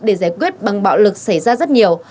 để giải quyết bằng bạo lực xảy ra rất nhiều